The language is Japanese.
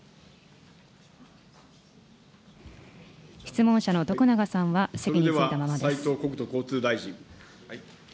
質問者の徳永さんは席に着いたままです。